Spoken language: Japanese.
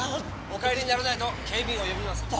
お帰りにならないと警備員を呼びますよ。